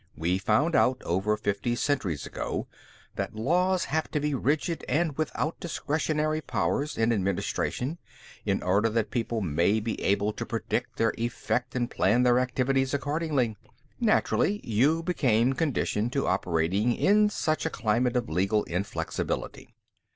We found out, over fifty centuries ago, that laws have to be rigid and without discretionary powers in administration in order that people may be able to predict their effect and plan their activities accordingly. Naturally, you became conditioned to operating in such a climate of legal inflexibility.